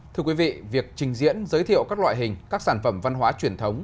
thưa quý vị việc trình diễn giới thiệu các loại hình các sản phẩm văn hóa truyền thống